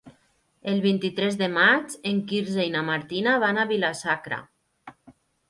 El vint-i-tres de maig en Quirze i na Martina van a Vila-sacra.